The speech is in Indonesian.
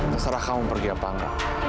terserah kamu pergi apa enggak